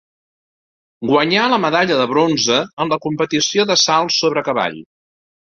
Guanyà la medalla de bronze en la competició del salt sobre cavall.